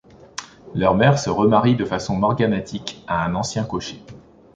Leur mère se remarie de façon morganatique à un ancien cocher.